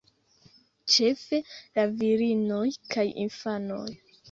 Ĉefe la virinoj kaj infanoj.